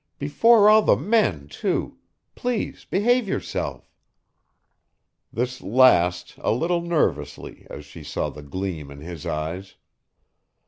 "Before all the men, too! Please behave yourself!" This last a little nervously as she saw the gleam in his eyes.